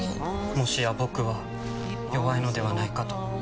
もしや僕は弱いのではないかと。